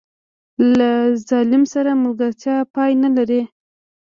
له ظالم سره ملګرتیا پای نه لري.